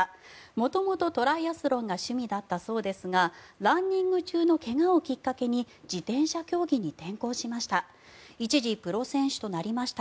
元々、トライアスロンが趣味だったそうですがランニング中の怪我をきっかけに自転車競技に転向しました。